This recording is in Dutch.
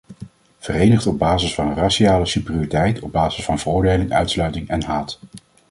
Verenigd op basis van raciale superioriteit, op basis van veroordeling, uitsluiting en haat.